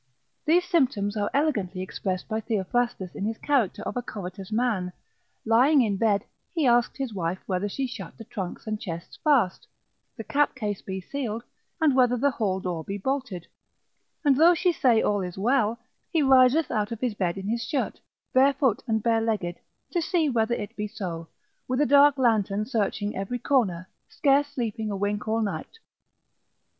These symptoms are elegantly expressed by Theophrastus in his character of a covetous man; lying in bed, he asked his wife whether she shut the trunks and chests fast, the cap case be sealed, and whether the hall door be bolted; and though she say all is well, he riseth out of his bed in his shirt, barefoot and barelegged, to see whether it be so, with a dark lantern searching every corner, scarce sleeping a wink all night.